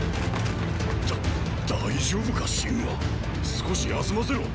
だ大丈夫か信は少し休ませろ！